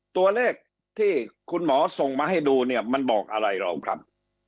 ตัวเลขที่คุณหมอส่งมาให้ดูมันบอกอะไรครับ